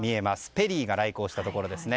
ペリーが来航したところですね。